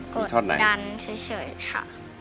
กดดันเฉยค่ะ